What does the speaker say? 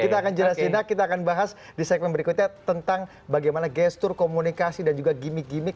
kita akan jelas jelas kita akan bahas di segmen berikutnya tentang bagaimana gestur komunikasi dan juga gimmick gimmick